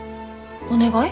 お願い？